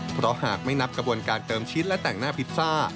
เพราะหากไม่นับกระบวนการเติมชิ้นและแต่งหน้าพิซซ่า